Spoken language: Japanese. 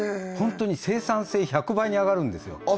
本当に生産性１００倍に上がるんですよ